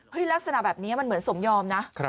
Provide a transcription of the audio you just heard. ลักษณะแบบนี้มันเหมือนสมยอมนะ